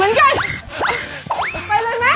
เหนื่อยเหมือนกัน